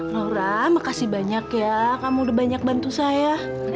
nora makasih banyak ya kamu udah banyak bantu saya